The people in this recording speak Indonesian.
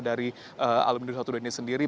dari alumni satu